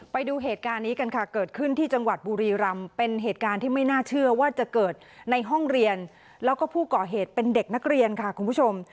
ไปดูเหตุการณ์นี้กันค่ะเกิดขึ้นที่จังหวัดบุรีรำเป็นเหตุการณ์ที่ไม่น่าเชื่อว่าจะเกิดในห้องเรียนแล้วก็ผู้ก่อเหตุเป็นเด็กนักเรียนค่ะคุณผู้ชม